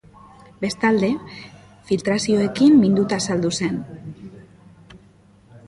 Bestalde, filtrazioekin minduta azaldu zen.